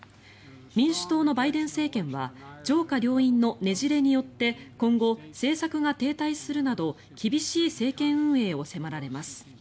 民主党のバイデン政権は上下両院のねじれによって今後、政策が停滞するなど厳しい政権運営を迫られます。